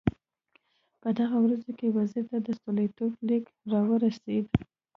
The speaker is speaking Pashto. په دغو ورځو کې وزیر ته د ستولیتوف لیک راورسېد.